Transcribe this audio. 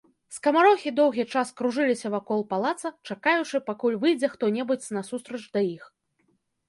Скамарохі доўгі час кружыліся вакол палаца, чакаючы, пакуль выйдзе хто-небудзь насустрач да іх.